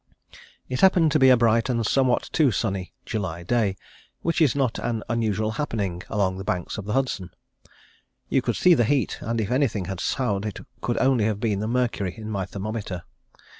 It happened to be a bright and somewhat too sunny July day, which is not an unusual happening along the banks of the Hudson. You could see the heat, and if anything had soughed it could only have been the mercury in my thermometer.